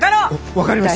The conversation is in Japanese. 分かりました。